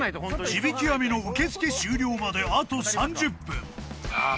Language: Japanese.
地引網の受け付け終了まであと３０分ああ